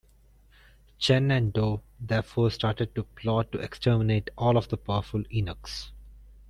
Chen and Dou therefore started a plot to exterminate all of the powerful eunuchs.